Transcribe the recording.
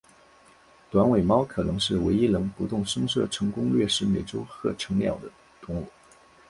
短尾猫可能是唯一能不动声色成功掠食美洲鹤成鸟的动物。